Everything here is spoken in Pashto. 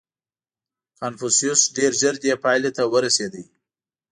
• کنفوسیوس ډېر ژر دې پایلې ته ورسېد.